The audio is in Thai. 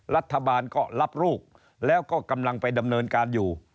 รัฐบาลก็รับลูกแล้วก็กำลังไปดำเนินการอยู่